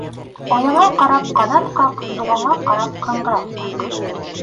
Ояңа ҡарап ҡанат ҡаҡ, дуғаңа ҡарап ҡыңғырау таҡ.